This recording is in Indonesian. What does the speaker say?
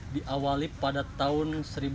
diawali pada tahun seribu sembilan ratus tiga puluh tujuh